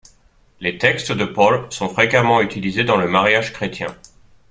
Les textes de Paul sont fréquemment utilisés dans le mariage chrétien.